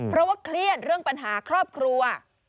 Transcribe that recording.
เพราะว่าเครียดเรื่องปัญหาครอบครัว